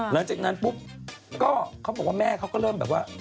หลังจากนั้นปุ๊บก็เขาบอกว่าแม่เขาก็เริ่มแบบว่า